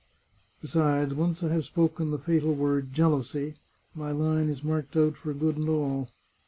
" Besides, once I have spoken the fatal word jealousy, my line is marked out for good and all.